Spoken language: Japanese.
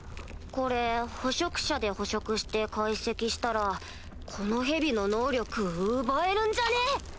これ捕食者で捕食して解析したらこの蛇の能力奪えるんじゃね？